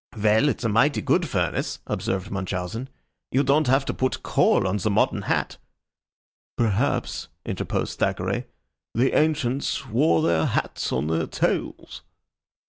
"Well, it's a mighty good furnace," observed Munchausen. "You don't have to put coal on the modern hat." "Perhaps," interposed Thackeray, "the ancients wore their hats on their tails."